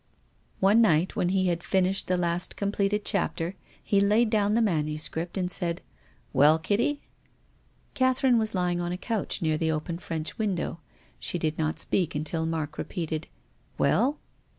One night, when he had finished the last com pleted chapter, he laid down the manuscript and said, "Well, Kitty?" Catherine was lying on a couch near tlic open French window. She did not speak until Mark repeated, "Well?"